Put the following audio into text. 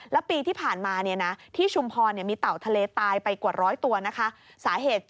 แล้วปีที่ผ่านมาที่ชุมพรมีเต่าทะเลตายไปกว่าร้อยตัวนะคะ